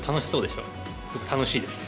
すごく楽しいです。